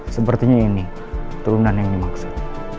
sepertinya ini turunan yang dimaksud